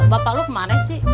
bapak lu kemana sih